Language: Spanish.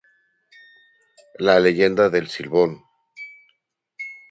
La leyenda del Silbón